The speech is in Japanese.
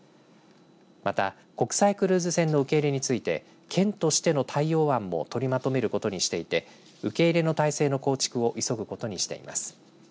また国際クルーズ船の受け入れについて県としての対応案も取りまとめることにしていて受け入れの態勢の構築を急ぐことにしています。